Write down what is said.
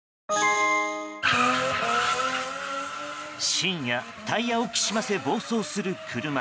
深夜、タイヤをきしませ暴走する車。